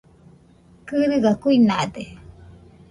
Kɨrɨgaɨ kuinade.